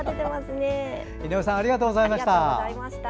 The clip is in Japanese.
井上さんありがとうございました。